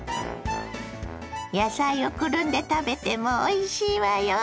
野菜をくるんで食べてもおいしいわよ。